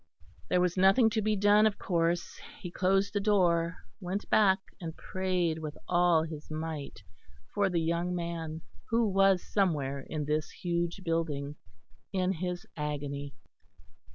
There was nothing to be done of course; he closed the door, went back and prayed with all his might for the young man who was somewhere in this huge building, in his agony.